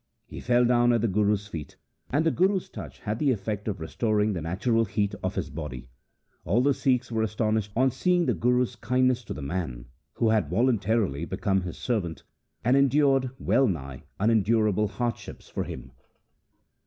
He fell down at the Guru's feet, and the Guru's touch had the effect of restoring the natural heat of his body. All the Sikhs were astonished on seeing the Guru's kindness to the man who had voluntarily become his servant, and endured well nigh unendurable hardships for him.